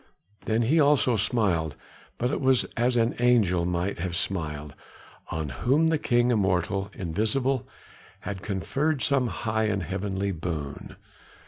Then he also smiled, but it was as an angel might have smiled, on whom the King immortal, invisible, had conferred some high and heavenly boon.